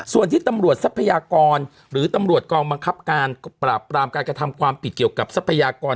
ส่วนที่ตำรวจทรัพยากรหรือตำรวจกองบังคับการปราบปรามการกระทำความผิดเกี่ยวกับทรัพยากร